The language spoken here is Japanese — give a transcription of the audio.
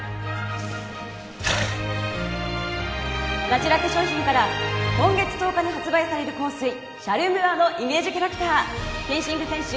ナチュラ化粧品から今月１０日に発売される香水Ｃｈａｒｍｕａのイメージキャラクターフェンシング選手